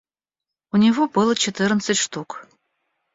У него было четырнадцать штук.